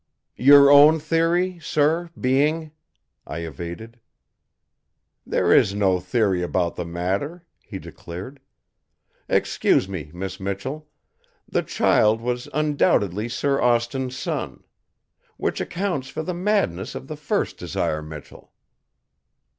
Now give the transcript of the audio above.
"Your own theory, sir, being ?" I evaded. "There is no theory about the matter," he declared. "Excuse me, Miss Michell! The child was undoubtedly Sir Austin's son. Which accounts for the madness of the first Desire Michell."